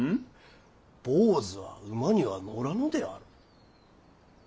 坊主は馬には乗らぬであろう。